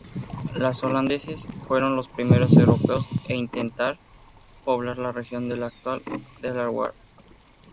Los holandeses fueron los primeros europeos en intentar poblar la región del actual Delaware.